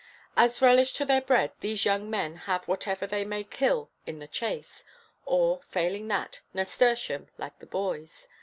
As relish to their bread these young men have whatever they may kill in the chase, or failing that, nasturtium like the boys.